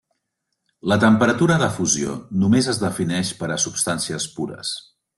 La temperatura de fusió només es defineix per a substàncies pures.